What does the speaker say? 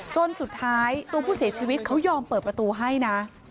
จนสุดท้ายตัวผู้เสียชีวิตเขายอมเปิดประตูให้นะ